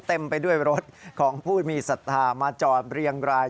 เต็มไปด้วยรถของผู้มีศรัทธามาจอดเรียงราย